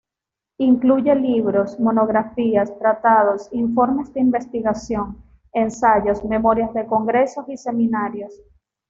Incluye libros, monografías, tratados, informes de investigación, ensayos, memorias de congresos y seminarios.